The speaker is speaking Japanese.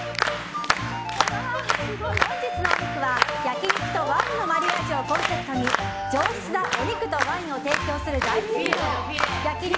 本日のお肉は、焼き肉とワインのマリアージュをコンセプトに上質なお肉とワインを提供する大人気店焼肉